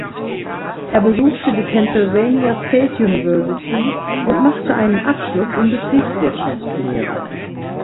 Er besuchte die Pennsylvania State University und machte einen Abschluss in Betriebswirtschaftslehre.